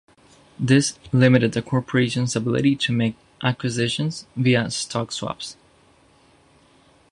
This limited the corporation's ability to make acquisitions via stock swaps.